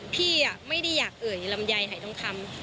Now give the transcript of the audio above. พี่ไม่ได้อยากเอ่ยลำยายให้ต้องทำ